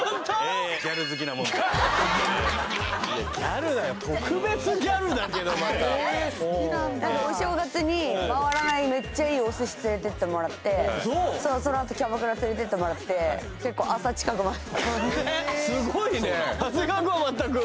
ええギャル好きなもんで特別ギャルだけどまたえ好きなんだお正月に回らないめっちゃいいおすし連れてってもらってそのあとキャバクラ連れてってもらって結構朝近くまですごいね長谷川君は全く？